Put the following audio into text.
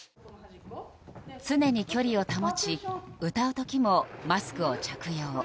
常に距離を保ち歌う時もマスクを着用。